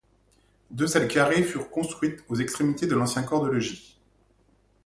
Deux ailes carrées furent construites aux extrémités de l’ancien corps de logis.